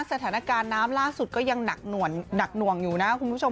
สถานการณ์น้ำล่าสุดก็ยังหนักหน่วงอยู่นะคุณผู้ชม